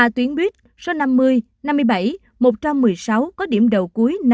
ba tuyến bus số năm mươi năm mươi bảy một trăm một mươi sáu có điểm đầu cuối